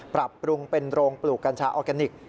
ปรับปรุงเป็นโรงปลูกกัญชาออร์แกนิค